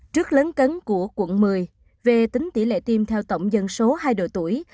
trước lớn cấn của quận một mươi về tính tỷ lệ tiêm theo tổng dân số hai độ tuổi